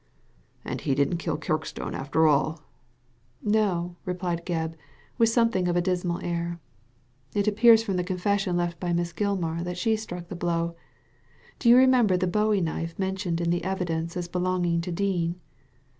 "And he didn't kill Kirkstone after all ?"" No, replied Gebb, with something of a dismal air. "It appears from the confession left by Miss Gilmar that she struck the blow. Do you remember the bowie knife mentioned in the evidence as belong ing to Dean